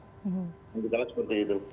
jadi segala seperti itu